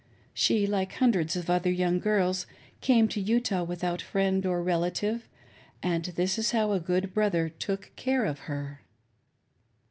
She, like hundreds of other young girls, came to Utah without friend or relative, and this is how a good brother " took care " of her.